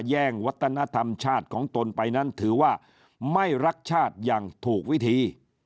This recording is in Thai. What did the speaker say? แย่งวัฒนธรรมชาติของตนไปนั้นถือว่าไม่รักชาติอย่างถูกวิธี